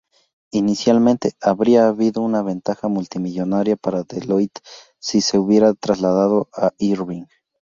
Inicialmente, habría habido una ventaja multimillonaria para Deloitte si se hubiera trasladado a Irving.